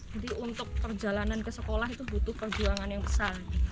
jadi untuk perjalanan ke sekolah itu butuh perjuangan yang besar